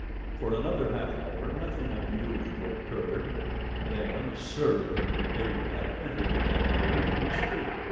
For another half hour nothing unusual occurred, then a surly looking Arab entered the café from the street.